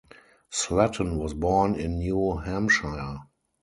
Sletten was born in New Hampshire.